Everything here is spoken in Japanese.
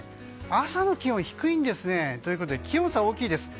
ただ、朝の気温が低いんですね。ということで気温差が大きいです。